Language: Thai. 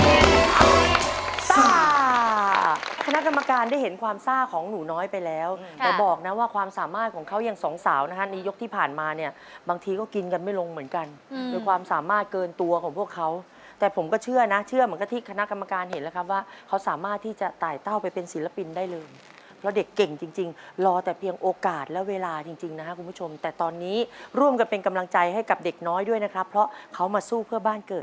ซ่าคณะกรรมการได้เห็นความซ่าของหนูน้อยไปแล้วแต่บอกนะว่าความสามารถของเขายังสองสาวนะครับในยกที่ผ่านมาเนี่ยบางทีก็กินกันไม่ลงเหมือนกันด้วยความสามารถเกินตัวของพวกเขาแต่ผมก็เชื่อนะเชื่อเหมือนกับที่คณะกรรมการเห็นแล้วครับว่าเขาสามารถที่จะต่ายเต้าไปเป็นศิลปินได้เลยเพราะเด็กเก่งจริงรอแต่เพ